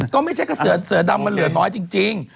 ก็ไม่ใช่ก็เสื้อเสื้อดำมันเหลือน้อยจริงจริง